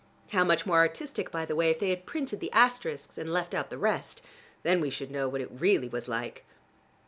(How much more artistic, by the way, if they printed the asterisks and left out the rest! Then we should know what it really was like.)